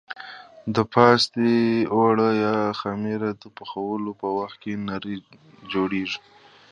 د پاستي اوړه یا خمېره د پخولو په وخت کې نرۍ جوړېږي.